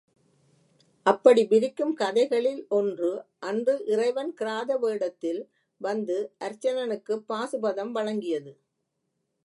அப்படி விரிக்கும் கதைகளில் ஒன்று அன்று இறைவன் கிராத வேடத்தில் வந்து அர்ச்சனனுக்குப் பாசுபதம் வழங்கியது.